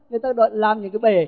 người ta làm những cái bể